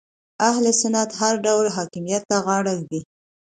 اهل سنت هر ډول حاکمیت ته غاړه ږدي